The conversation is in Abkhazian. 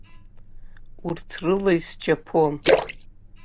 Урҭ рыла исчаԥон.